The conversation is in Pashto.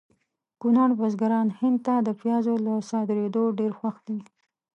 کونړ بزګران هند ته د پیازو له صادریدو ډېر خوښ دي